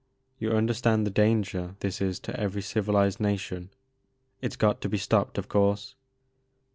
You understand the danger this is to every civilized nation. It 's got to be stopped of course.